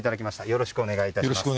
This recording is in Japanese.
よろしくお願いします。